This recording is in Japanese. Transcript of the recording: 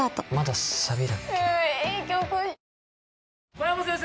小山先生